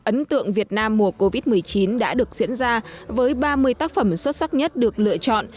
ấn tượng việt nam mùa covid một mươi chín đã được diễn ra với ba mươi tác phẩm xuất sắc nhất được lựa chọn